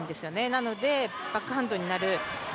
なので、バックハンドになる賈